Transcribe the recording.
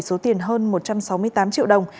số tiền hơn một trăm sáu mươi tám triệu đồng